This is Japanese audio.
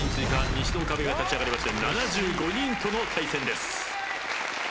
西の壁が立ち上がりまして７５人との対戦です。